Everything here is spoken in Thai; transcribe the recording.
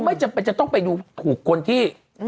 เขาไม่จะต้องไปดูถูกคนที่